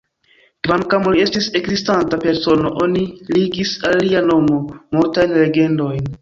Kvankam li estis ekzistanta persono, oni ligis al lia nomo multajn legendojn.